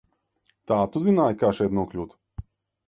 Tā tu zināji, kā šeit nokļūt?